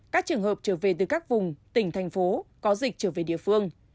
các trường hợp trở về từ các vùng tỉnh thành phố có dịch trở về địa phương